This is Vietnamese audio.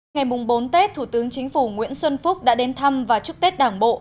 ngày bốn tết thủ tướng chính phủ nguyễn xuân phúc đã đến thăm và chúc tết đảng bộ